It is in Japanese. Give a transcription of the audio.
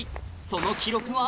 その記録は？